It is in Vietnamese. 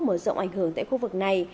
mở rộng ảnh hưởng tại khu vực này